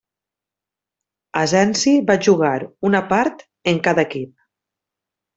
Asensi va jugar una part en cada equip.